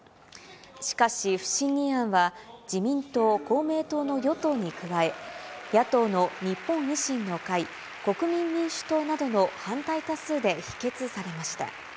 しかし、不信任案は自民党、公明党の与党に加え、野党の日本維新の会、国民民主党などの反対多数で否決されました。